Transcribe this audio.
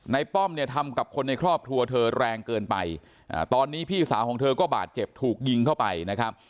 ป้อมเนี่ยทำกับคนในครอบครัวเธอแรงเกินไปตอนนี้พี่สาวของเธอก็บาดเจ็บถูกยิงเข้าไปนะครับ